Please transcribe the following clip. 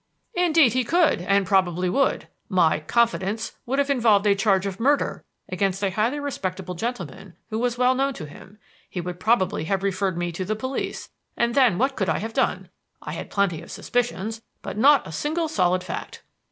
"Indeed he could, and probably would. My 'confidence' would have involved a charge of murder against a highly respectable gentleman who was well known to him. He would probably have referred me to the police, and then what could I have done? I had plenty of suspicions, but not a single solid fact."